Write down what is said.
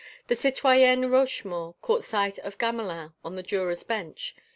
The citoyenne Rochemaure caught sight of Gamelin on the jurors' bench.